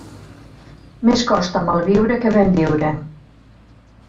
Més costa mal viure que ben viure.